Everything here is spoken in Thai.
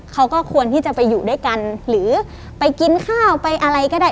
เขาก็ควรที่จะไปอยู่ด้วยกันหรือไปกินข้าวไปอะไรก็ได้